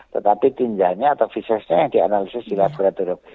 tetapi tinjanya atau fisesnya yang dianalisis di laboratorium